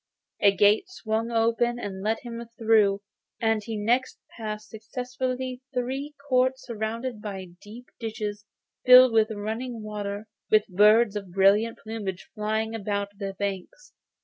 The gate swung open to let him through, and he next passed successively three courts, surrounded by deep ditches filled with running water, with birds of brilliant plumage flying about the banks.